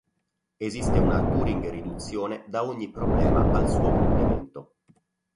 Esiste una Turing-riduzione da ogni problema al suo complemento.